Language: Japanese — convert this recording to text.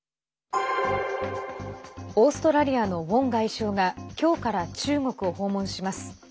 オーストラリアのウォン外相が今日から中国を訪問します。